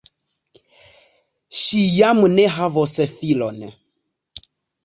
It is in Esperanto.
Ŝi jam ne havos filon.